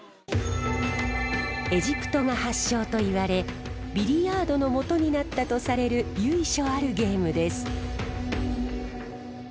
エジプトが発祥といわれビリヤードのもとになったとされる由緒あるゲームです。